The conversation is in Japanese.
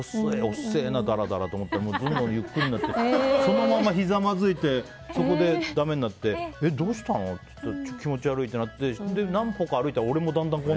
遅えなダラダラと思ったらどんどんゆっくりになってそのままひざまずいてダメになってどうしたの？って言ったら気持ち悪いってなって何歩か歩いたら、僕も。